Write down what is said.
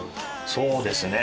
そうですね。